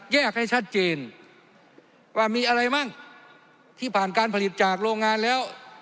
ให้ชัดเจนว่ามีอะไรมั่งที่ผ่านการผลิตจากโรงงานแล้ว